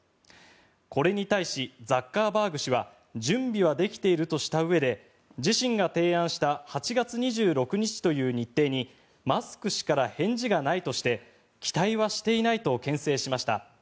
これに対し、ザッカーバーグ氏は準備はできているとしたうえで自身が提案した８月２６日という日程にマスク氏から返事がないとして期待はしていないとけん制しました。